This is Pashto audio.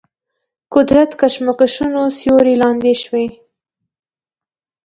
قدرت کشمکشونو سیوري لاندې شوي.